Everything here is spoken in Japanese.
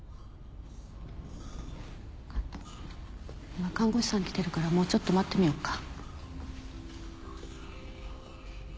今看護師さん来てるからもうちょっと待ってみよっか。